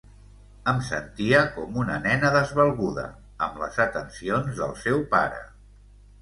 Em sentia com una nena desvalguda, amb les atencions del seu pare.